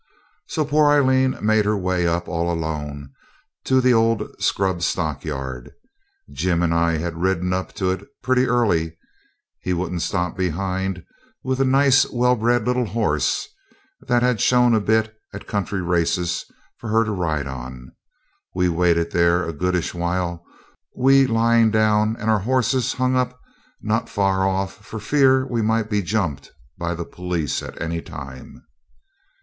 So poor Aileen made her way up all alone to the old scrub stockyard. Jim and I had ridden up to it pretty early (he wouldn't stop behind) with a nice, well bred little horse that had shone a bit at country races for her to ride on. We waited there a goodish while, we lying down and our horses hung up not far off for fear we might be 'jumped' by the police at any time.